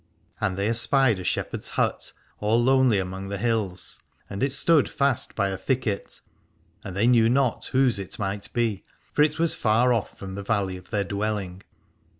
And they espied a shepherd's hut all lonely among the hills, and it stood fast by a thicket, and they knew not whose it might be, for it was far off from the valley of their dwelling.